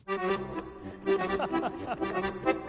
ハハハハ。